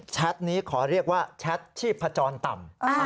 นี้ขอเรียกว่าแชทชีพจรต่ำ